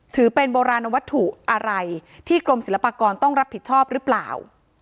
ถือเป็นโบราณวัตถุอะไรที่กรมศิลปากรต้องรับผิดชอบหรือเปล่า